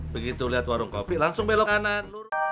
begitu lihat warung kopi langsung belok kanan